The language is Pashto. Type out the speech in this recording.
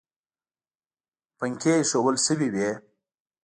پنکې ایښوول شوې وې.